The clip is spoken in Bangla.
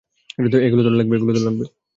এগুলো তোর লাগবে!